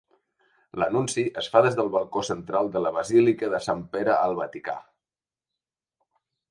L'anunci es fa des del balcó central de la Basílica de Sant Pere al Vaticà.